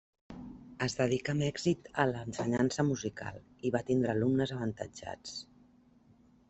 Es dedicà amb èxit a l'ensenyança musical, i va tindre alumnes avantatjats.